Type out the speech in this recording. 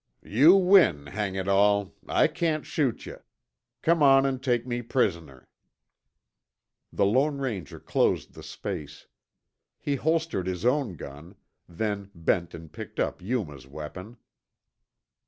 "You win, hang it all, I can't shoot yuh. Come on an' take me prisoner." The Lone Ranger closed the space. He holstered his own gun, then bent and picked up Yuma's weapon.